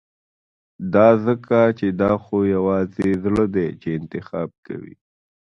دا ځکه چې دا خو يوازې زړه دی چې انتخاب کوي.